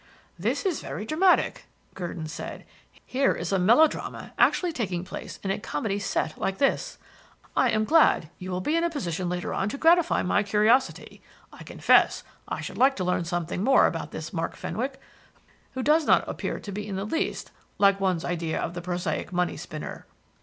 "This is very dramatic," Gurdon said. "Here is a melo drama actually taking place in a comedy 'set' like this. I am glad you will be in a position later on to gratify my curiosity. I confess I should like to learn something more about this Mark Fenwick, who does not appear to be in the least like one's idea of the prosaic money spinner."